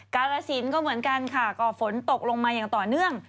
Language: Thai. กราศิริกร์ก็เหมือนกันค่ะก็อาบฝนตกลงมายังต่อเนื่อง